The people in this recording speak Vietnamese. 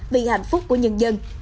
vì hạnh phúc của nhân dân